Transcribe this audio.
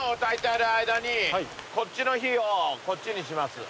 こっちの火をこっちにします。